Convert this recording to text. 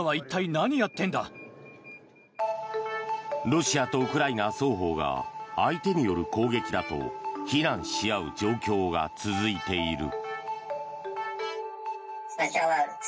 ロシアとウクライナ双方が相手による攻撃だと非難し合う状況が続いている。